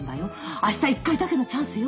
明日一回だけのチャンスよ。